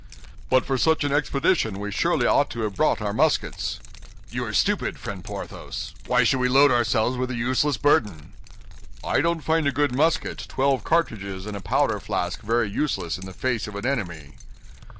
"But for such an expedition we surely ought to have brought our muskets." "You are stupid, friend Porthos. Why should we load ourselves with a useless burden?" "I don't find a good musket, twelve cartridges, and a powder flask very useless in the face of an enemy."